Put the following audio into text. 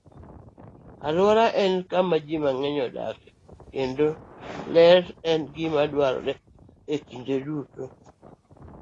Alwora en kama ji mang'eny odakie, kendo ler en gima dwarore kinde duto.